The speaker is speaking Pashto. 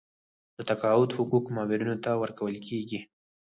د تقاعد حقوق مامورینو ته ورکول کیږي